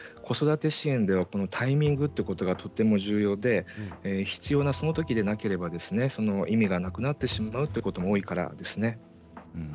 子育て支援ではこのタイミングということがとても重要で必要なそのときでなければその意味がなくなってしまうということも多いからなんですね。